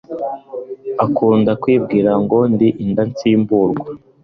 akunda kwibwira ngo ndi indatsimburwa